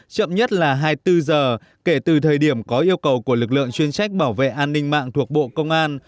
chậm nhất là hai mươi bốn giờ kể từ thời điểm có yêu cầu của lực lượng chuyên trách bảo vệ an ninh mạng thuộc bộ công an